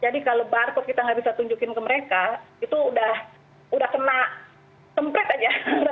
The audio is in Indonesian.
jadi kalau barcode kita nggak bisa tunjukin ke mereka itu udah kena semprot aja